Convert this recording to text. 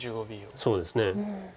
そうですね。